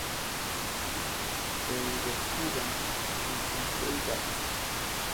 Pseudotsuga menziesii" var.